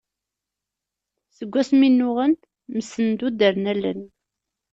Seg asmi nnuɣen, msendudren allen.